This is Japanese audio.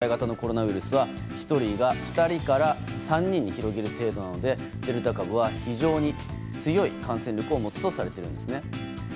ちなみに、普通の風邪や従来型のコロナウイルスは１人が２人から３人に広げる程度なのでデルタ株は非常に強い感染力を持つとされているんですね。